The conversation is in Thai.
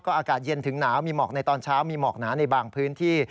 อากาศเย็นถึงหนาวมีหมอกในตอนเช้ามีหมอกหนาในบางพื้นที่